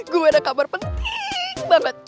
gue ada kabar penting banget